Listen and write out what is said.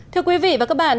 thưa quý vị và các bạn